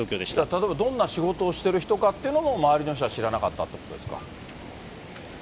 例えば、どんな仕事をしてる人かっていうのも、周りの人は知らなかったということですか。